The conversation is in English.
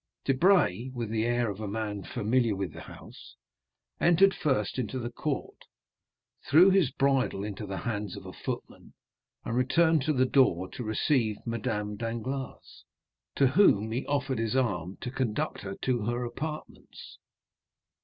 Debray, with the air of a man familiar with the house, entered first into the court, threw his bridle into the hands of a footman, and returned to the door to receive Madame Danglars, to whom he offered his arm, to conduct her to her apartments.